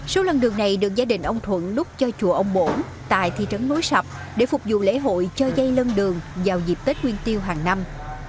số lân đường này được gia đình ông thuận nút cho chùa ông bổ tại thị trấn nối sập để phục vụ lễ hội cho dây lân đường vào dịp tết nguyên tiêu hàng năm